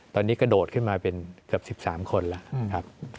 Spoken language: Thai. ตอนนี้กระโดดขึ้นมาเป็นเกือบ๑๓คนแล้วครับ